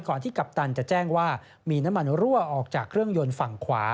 ที่กัปตันจะแจ้งว่ามีน้ำมันรั่วออกจากเครื่องยนต์ฝั่งขวา